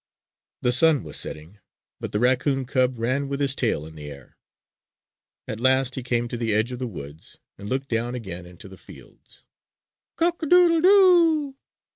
The sun was setting, but the raccoon cub ran with his tail in the air. At last he came to the edge of the woods, and looked down again into the fields. "Cock a doodle doo oo oo!"